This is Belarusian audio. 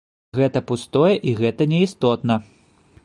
Гэта пустое і гэта неістотна.